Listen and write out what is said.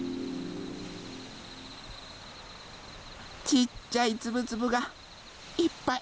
ちっちゃいつぶつぶがいっぱい。